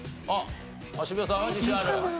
渋谷さんは自信ある？